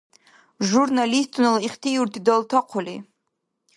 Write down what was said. Журналистунала ихтиюрти далтахъули